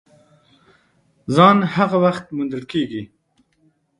ځان هغه وخت موندل کېږي !